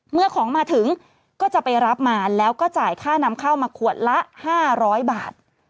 เมื่อของมาถึงก็จะไปรับมาแล้วก็จ่ายค่านำเข้ามาขวดละ๕๐๐บาท